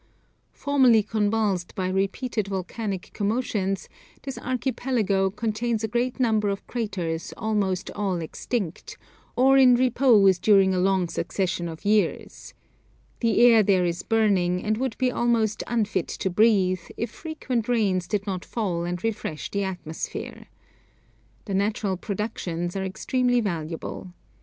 Formerly convulsed by repeated volcanic commotions, this Archipelago contains a great number of craters almost all extinct, or in repose during a long succession of years. The air there is burning, and would be almost unfit to breathe, if frequent rains did not fall and refresh the atmosphere. The natural productions are extremely valuable.